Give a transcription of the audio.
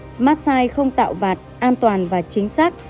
smartsight không tạo vạt an toàn và chính xác